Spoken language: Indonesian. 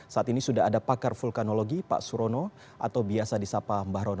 saat ini sudah ada pakar vulkanologi pak surono atau biasa disapa mbah rono